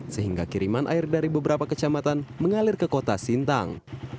sehingga kiriman air dari beberapa kecamatan mengalir ke kota sintang